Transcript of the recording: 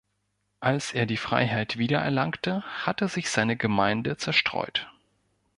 Als er die Freiheit wiedererlangte, hatte sich seine Gemeinde zerstreut.